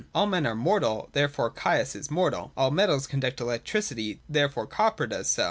All men are mortal, therefore Caius is mortal : All metals conduct electricity, therefore e.g. copper does so.